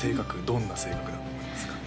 どんな性格だと思いますか？